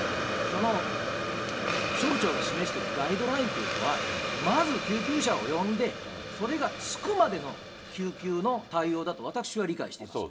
その省庁が示しているガイドラインというのは、まず救急車を呼んで、それが着くまでの救急の対応だと、私は理解してます。